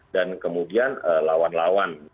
dan kemudian lawan lawan